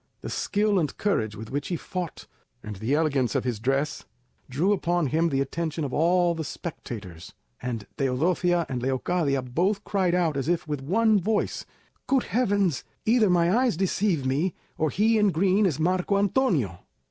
The skill and courage with which he fought, and the elegance of his dress, drew upon him the attention of all the spectators, and Teodosia and Leocadia both cried out, as if with one voice, "Good heavens! either my eyes deceive me, or he in green is Marco Antonio."